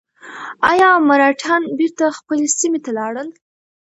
ایا مرهټیان بېرته خپلې سیمې ته لاړل؟